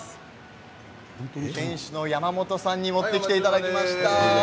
店主のやまもとさんに持ってきていただきました。